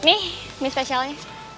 nih mie spesialnya